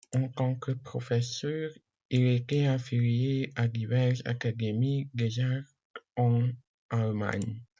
En tant que professeur, il était affilié à diverses académies des arts en Allemagne.